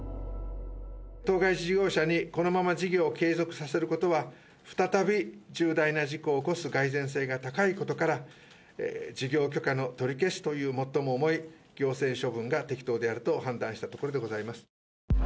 当該事業者に、このまま事業を継続させることは、再び重大な事故を起こす蓋然性が高いことから、事業許可の取り消しという、最も重い行政処分が適当であると判断したところでございます。